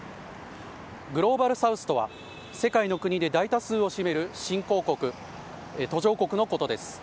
グローバルサウスとは、世界の国で大多数を占める新興国、途上国のことです。